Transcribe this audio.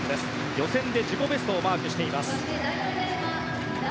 予選で自己ベストをマークしています。